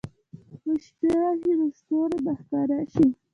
که شپې راشي، نو ستوري به ښکاره شي.